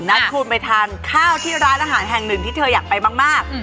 นัดคุณไปทานข้าวที่ร้านอาหารแห่งหนึ่งที่เธออยากไปมาก